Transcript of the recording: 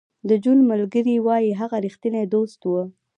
د جون ملګري وایی هغه رښتینی دوست و